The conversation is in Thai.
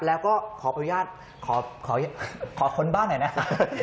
แล้วก็ขออนุญาตขอค้นบ้านหน่อยนะครับ